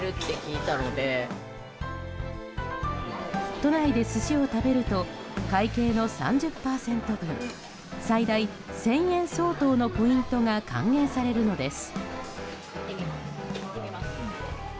都内で寿司を食べると会計の３０％分最大１０００円相当のポイントが還元されるのです。